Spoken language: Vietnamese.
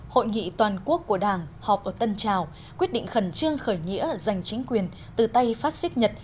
hội nghị toàn quốc của đảng họp ở tân trào quyết định khẩn trương khởi nghĩa dành chính quyền từ tây pháp xích nhật